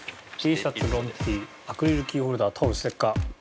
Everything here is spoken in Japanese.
ＴシャツロンＴアクリルキーホルダータオルステッカー。